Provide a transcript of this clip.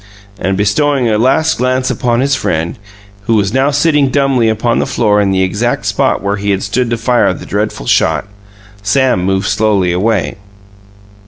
And bestowing a last glance upon his friend, who was now sitting dumbly upon the floor in the exact spot where he had stood to fire the dreadful shot, Sam moved slowly away.